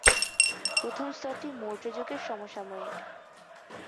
প্রথম স্তরটি মৌর্য যুগের সমসাময়িক।